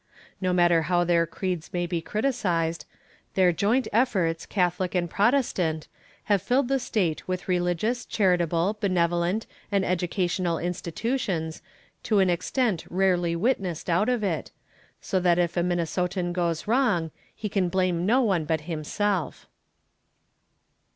No matter how their creeds may be criticised, their joint efforts, Catholic and Protestant, have filled the state with religious, charitable, benevolent and educational institutions to an extent rarely witnessed out of it, so that if a Minnesotan goes wrong, he can blame no one but himself.